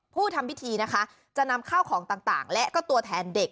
ทำพิธีนะคะจะนำข้าวของต่างและก็ตัวแทนเด็ก